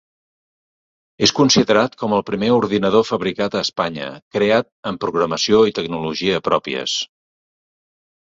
És considerat com el primer ordinador fabricat a Espanya creat amb programació i tecnologia pròpies.